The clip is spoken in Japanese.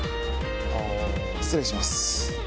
失礼します。